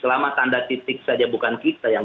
selama tanda titik saja bukan kita yang